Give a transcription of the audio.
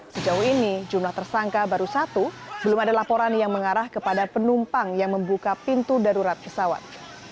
sejauh ini jumlah tersangka baru satu belum ada laporan yang mengarah kepada penumpang yang membuka pintu darurat pesawat